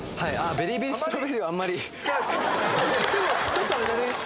ちょっとあれだね